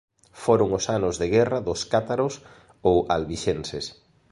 Foron os anos de guerra dos cátaros ou albixenses.